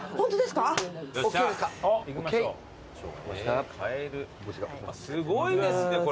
すごいですねこれ。